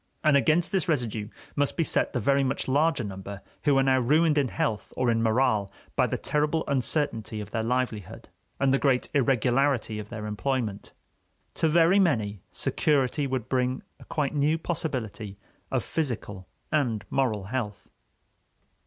And against this residue must be set the very much larger number who are now ruined in health or in morale by the terrible uncertainty of their livelihood and the great irregularity of their employment. To very many, security would bring a quite new possibility of physical and moral health.